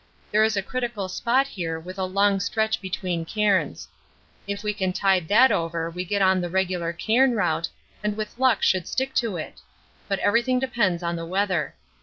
There is a critical spot here with a long stretch between cairns. If we can tide that over we get on the regular cairn route, and with luck should stick to it; but everything depends on the weather.